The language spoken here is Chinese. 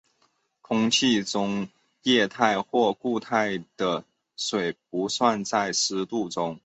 空气中液态或固态的水不算在湿度中。